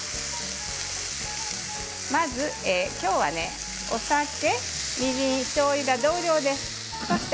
きょうはお酒、みりん、おしょうゆが同量です。